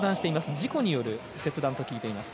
事故による切断と聞いています。